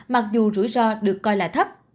mặc dù rủi ro được coi là thấp